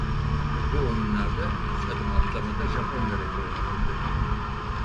Bu oyunlarda üç adım atlamada Japonya rekorunu kırdı.